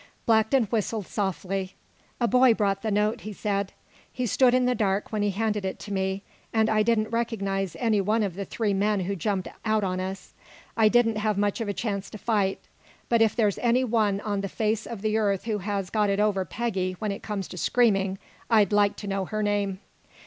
Blackton whistled softly. "A boy brought the note," he said. "He stood in the dark when he handed it to me. And I didn't recognize any one of the three men who jumped out on us. I didn't have much of a chance to fight, but if there's any one on the face of the earth who has got it over Peggy when it comes to screaming, I'd like to know her name!